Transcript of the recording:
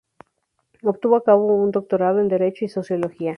Obtuvo a cabo un doctorado en derecho y sociología.